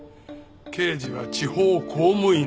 刑事は地方公務員です。